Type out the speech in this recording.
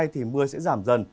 thì mưa sẽ giảm dần